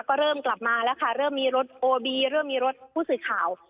ก็เริ่มกลับมาแล้วค่ะเริ่มมีรถโอบีเริ่มมีรถผู้สื่อข่าว